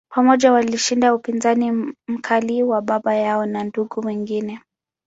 Pamoja, walishinda upinzani mkali wa baba yao na ndugu wengine.